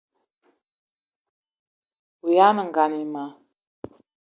O ayag' nengan ayi ma